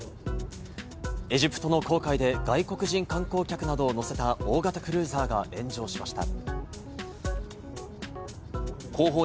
エジプトの紅海で外国人観光客などを乗せた大型クルーザーが炎上しました。